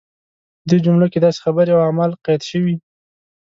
په دې جملو کې داسې خبرې او اعمال قید شوي.